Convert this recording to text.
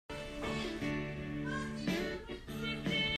Rawl kan ei.